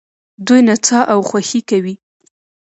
دوی نڅا او خوښي کوي.